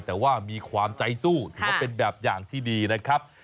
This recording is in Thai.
แต่ว่ามีความใจสู้ถือว่าเป็นแบบอย่างที่ดีนะครับ